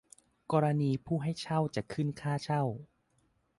กรณีผู้ให้เช่าจะขึ้นค่าเช่า